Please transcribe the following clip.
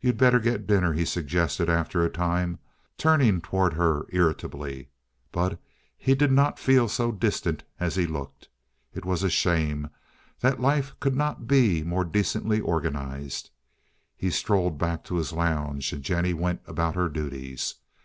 "You'd better get the dinner," he suggested, after a time, turning toward her irritably; but he did not feel so distant as he looked. It was a shame that life could not be more decently organized. He strolled back to his lounge, and Jennie went about her duties.